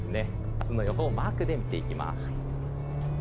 明日の予報をマークで見ていきます。